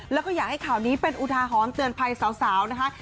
แล้วก็อยากให้ข่าวนี้เป็นอุทาหรณ์เตือนภัยสาวนะคะ